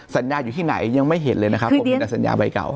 สัญญาอยู่ที่ไหนยังไม่เห็นเลยนะครับผมเห็นแต่สัญญาใบเก่า